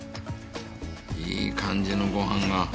いい感じのごはんが。